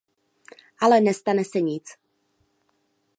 Ale nestane se nic.